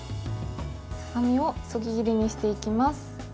ささみをそぎ切りにしていきます。